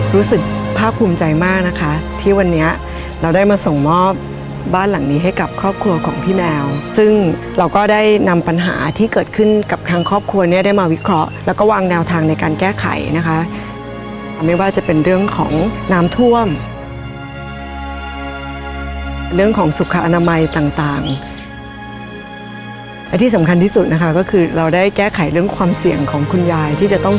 รู้สึกภาคภูมิใจมากนะคะที่วันนี้เราได้มาส่งมอบบ้านหลังนี้ให้กับครอบครัวของพี่แมวซึ่งเราก็ได้นำปัญหาที่เกิดขึ้นกับทางครอบครัวเนี่ยได้มาวิเคราะห์แล้วก็วางแนวทางในการแก้ไขนะคะไม่ว่าจะเป็นเรื่องของน้ำท่วมเรื่องของสุขอนามัยต่างต่างและที่สำคัญที่สุดนะคะก็คือเราได้แก้ไขเรื่องความเสี่ยงของคุณยายที่จะต้อง